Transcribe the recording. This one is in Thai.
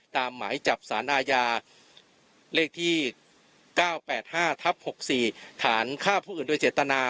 หมายจับสารอาญาเลขที่๙๘๕ทับ๖๔ฐานฆ่าผู้อื่นโดยเจตนา